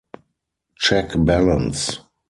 Check balance